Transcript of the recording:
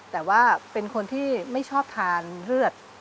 แต่ว่าเป็นคนที่ไม่ชอบทานเลือด